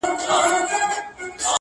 کومه ورځ چي تاته زه ښېرا کوم-